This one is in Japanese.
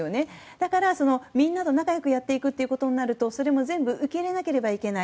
だからみんな仲良くなっていくとなるとそれも全部受け入れないといけない